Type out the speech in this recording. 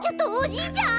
じいちゃん！？